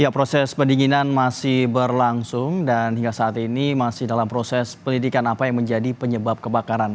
proses pendinginan masih berlangsung dan hingga saat ini masih dalam proses pendidikan apa yang menjadi penyebab kebakaran